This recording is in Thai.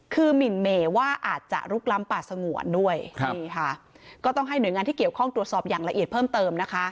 คือหมินเมว่าอาจจะลุกล้ำป่าสงวนด้วยนี่ค่ะก็ต้องให้หน่วยงานที่เกี่ยวข้องตรวจสอบอย่างละเอียดเพิ่มเติมนะคะ